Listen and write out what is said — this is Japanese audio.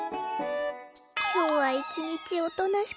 今日は一日おとなしくしてます。